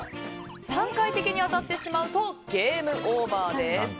３回敵に当たってしまうとゲームオーバーです。